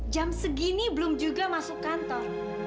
jam segini belum juga masuk kantor